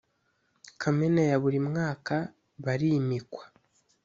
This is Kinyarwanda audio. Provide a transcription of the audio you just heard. kamena ya buri mwaka barimikwa